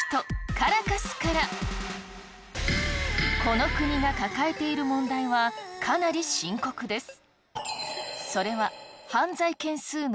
この国が抱えている問題はかなり深刻です。